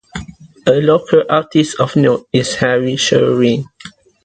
A local artist of note is Harry Sherwin.